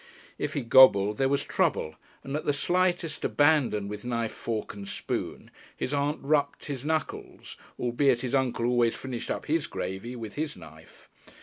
If he "gobbled" there was trouble, and at the slightest abandon with knife, fork, and spoon, his aunt rapped his knuckles, albeit his uncle always finished up his gravy with his knife.